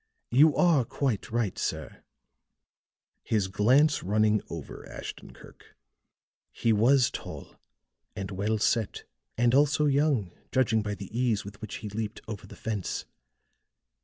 You are quite right, sir," his glance running over Ashton Kirk; "he was tall and well set, and also young, judging by the ease with which he leaped over the fence.